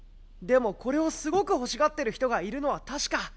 でもこれをすごく欲しがってる人がいるのは確か。